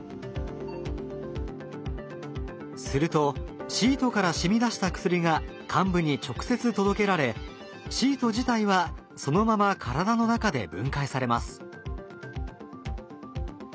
するとシートから染み出した薬が患部に直接届けられシート自体はそのまま体の中で分解されます。